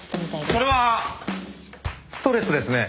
それはストレスですね。